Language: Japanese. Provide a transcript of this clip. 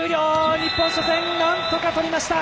日本、初戦何とか取りました。